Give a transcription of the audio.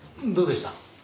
どうでした？